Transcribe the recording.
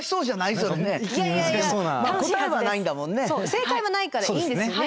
正解はないからいいんですよね